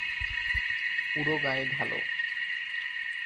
পুরো গায়ে ঢালো।